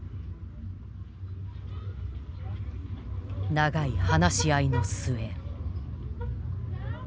長い話し合いの末。